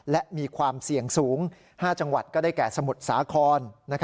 และมีความเสี่ยงสูง๕จังหวัดก็ได้แก่สมุทรสาคร